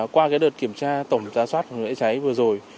qua đợt kiểm tra tổng gia soát lễ cháy vừa rồi